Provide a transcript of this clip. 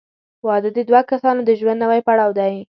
• واده د دوه کسانو د ژوند نوی پړاو دی.